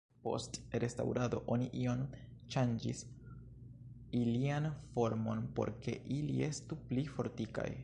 Post restaŭrado oni iom ŝanĝis ilian formon por ke ili estu pli fortikaj.